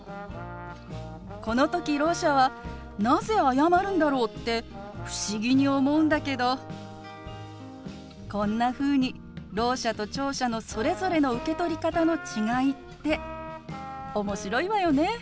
この時ろう者は「なぜ謝るんだろう」って不思議に思うんだけどこんなふうにろう者と聴者のそれぞれの受け取り方の違いって面白いわよね。